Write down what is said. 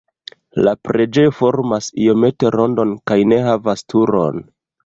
La preĝejo formas iomete rondon kaj ne havas turon.